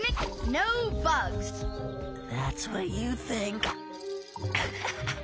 ヌハハハ！